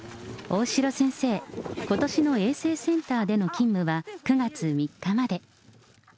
大城先生、ことしの衛生センターでの勤務は９月３日まで。